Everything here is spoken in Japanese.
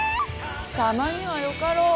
たまにはよかろう。